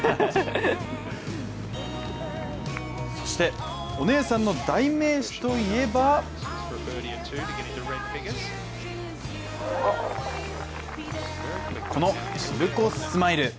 そしてお姉さんの代名詞といえばこの、しぶこスマイル。